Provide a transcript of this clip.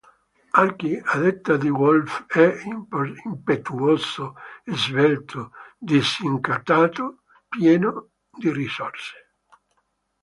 Archie, a detta di Wolfe è "impetuoso, svelto, disincantato, pieno di risorse".